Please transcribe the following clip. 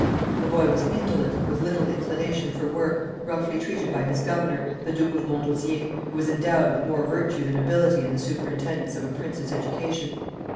The boy was indolent, with little inclination for work, roughly treated by his governor, the Duke of Montausier, who was endowed with more virtue than ability in the superintendence of a prince's education.